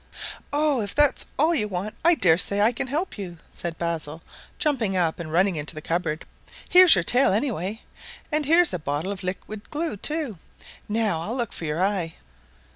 "Oh, if that is all you want I dare say I can help you," said Basil, jumping up and running to the cupboard. "Here's your tail, anyway! and here's a bottle of liquid glue too. Now I'll look for your eye."